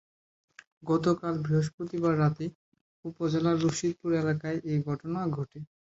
গতকাল বৃহস্পতিবার রাতে উপজেলার রশিদপুর এলাকায় এ ঘটনা ঘটে।